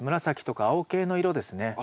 紫とか青系の色ですね。